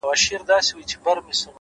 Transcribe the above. لوړې هیلې لوړې هڅې غواړي،